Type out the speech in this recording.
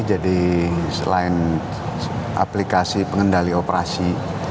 jadi selain aplikasi pengendali operasi